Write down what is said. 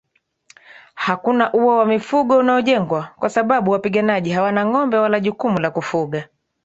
Hakuna uwa wa mifugo unaojengwa kwa sababu wapiganaji hawana ngombe wala jukumu la kufuga